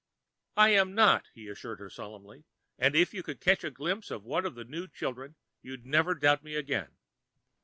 "I am not," he assured her solemnly. "And if you could catch a glimpse of one of the new children, you'd never doubt me again.